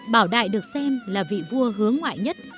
bảo đại được xem là vị vua hướng ngoại nhất